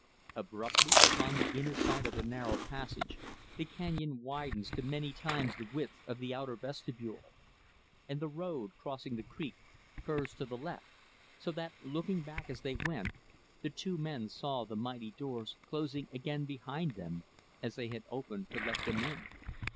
Abruptly, upon the inner side of the narrow passage the canyon widens to many times the width of the outer vestibule; and the road, crossing the creek, curves to the left; so that, looking back as they went, the two men saw the mighty doors closing again, behind them as they had opened to let them in.